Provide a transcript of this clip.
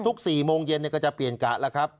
๔โมงเย็นก็จะเปลี่ยนกะแล้วครับ